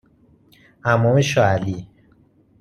حمام شاه علی